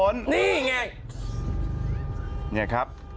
นี่ครับ